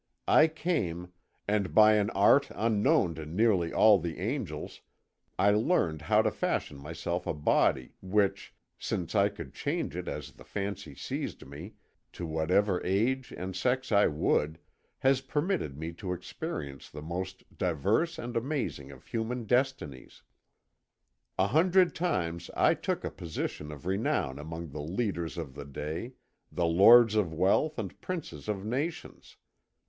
I came, and by an art unknown to nearly all the angels, I learned how to fashion myself a body which, since I could change it as the fancy seized me, to whatsoever age and sex I would, has permitted me to experience the most diverse and amazing of human destinies. A hundred times I took a position of renown among the leaders of the day, the lords of wealth and princes of nations.